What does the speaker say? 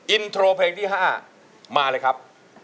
อินโทรเพลงที่๕มาเลยครับ